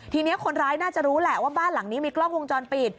ทีนี้คนร้ายน่าจะรู้แหละว่าบ้านหลังนี้มีกล้องวงจรปิด